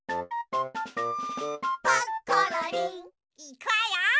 いくわよ！